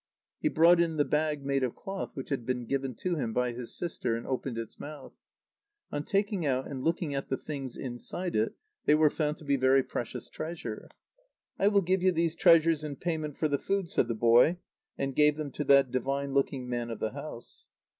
He brought in the bag made of cloth which had been given to him by his sister, and opened its mouth. On taking out and looking at the things inside it, they were found to be very precious treasures. "I will give you these treasures in payment for the food," said the boy, and gave them to that divine looking man of the house.